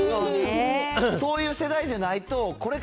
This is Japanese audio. そういう世代じゃないと、これか